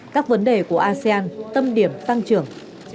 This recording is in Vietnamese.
các vấn đề của asean tâm điểm tăng trưởng